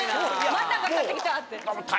またかかってきたって。